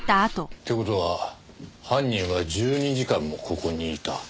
って事は犯人は１２時間もここにいた？